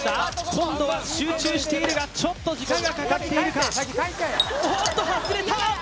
今度は集中しているがちょっと時間がかかっているかおっと外れた！